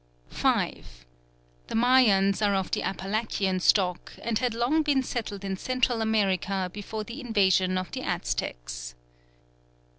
5. The Mayans are of the Apalachian stock, and had long been settled in Central America before the invasion of the Aztecs.